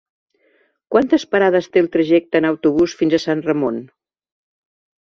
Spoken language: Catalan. Quantes parades té el trajecte en autobús fins a Sant Ramon?